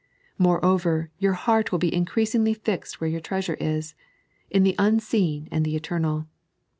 Moreover, your heart will be increasingly fixed where yovir b^asure is, in the Unseen and the Eternal.